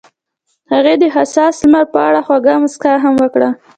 هغې د حساس لمر په اړه خوږه موسکا هم وکړه.